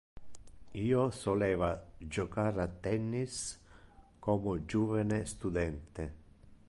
Io soleva jocar al tennis como juvene studente.